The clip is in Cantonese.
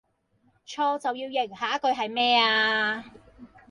錯就要認，下一句系咩啊?